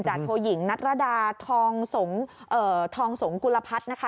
จากผู้หญิงนัตรดาทองสงฆ์กุลภัทรนะคะ